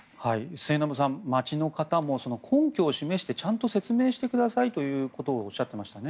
末延さん街の方も根拠を示してちゃんと説明してくださいということをおっしゃっていましたね。